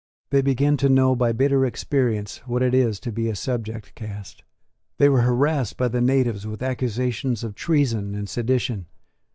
They began to know by bitter experience what it is to be a subject caste. They were harassed by the natives with accusations of treason and sedition.